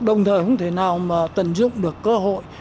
đồng thời không thể nào mà tận dụng được cơ hội